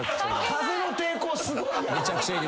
風の抵抗すごいやろ。